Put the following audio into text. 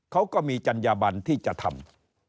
เขาก็มีจัญญาบันที่จะทำ